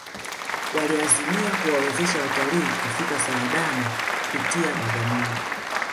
waliazimia kuwawezesha watalii kufika saadani kupitia bagamoyo